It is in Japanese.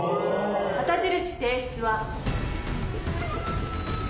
旗印提出は。